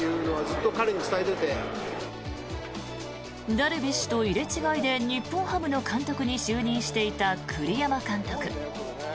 ダルビッシュと入れ違いで日本ハムの監督に就任していた栗山監督。